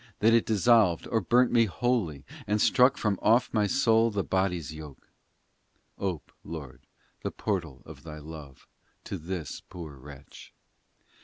That it dissolved Or burnt me wholly And struck from off my soul the body s yoke ! XVI Ope, Lord, the portal of Thy love To this poor wretch